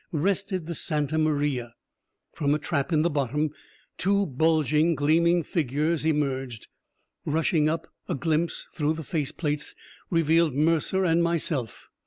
rested the Santa Maria. From a trap in the bottom two bulging, gleaming figures emerged. Rushing up, a glimpse through the face plates revealed Mercer and myself.